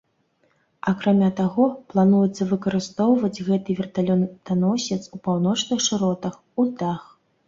Акрамя таго, плануецца выкарыстоўваць гэты верталётаносец у паўночных шыротах, у льдах.